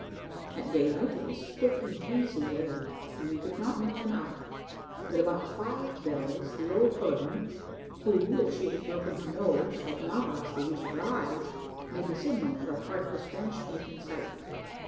At daylight it was thick and hazy weather, and we could not make them out; but about five bells, the old Culloden, who, if she had broke her nose, had not lost the use of her eyes, made the signal for a part of the Spanish fleet in sight.